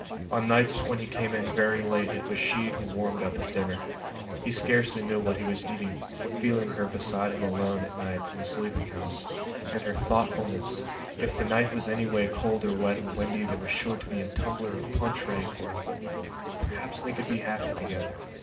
On nights when he came in very late it was she who warmed up his dinner. He scarcely knew what he was eating, feeling her beside him alone, at night, in the sleeping house. And her thoughtfulness! If the night was anyway cold or wet or windy there was sure to be a little tumbler of punch ready for him. Perhaps they could be happy together....